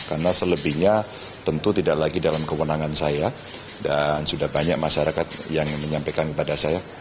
karena selebihnya tentu tidak lagi dalam kewenangan saya dan sudah banyak masyarakat yang menyampaikan kepada saya